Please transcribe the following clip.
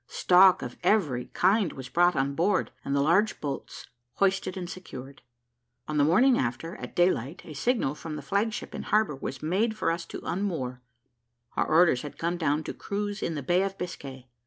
Stock of every kind was brought on board, and the large boats hoisted and secured. On the morning after, at day light, a signal from the flag ship in harbour was made for us to unmoor; our orders had come down to cruise in the Bay of Biscay.